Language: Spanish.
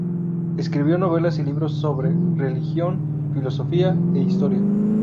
Escribió novelas y libros sobre religión, filosofía e historia.